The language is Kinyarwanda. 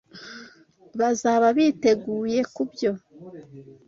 Bazaba biteguye kubyo.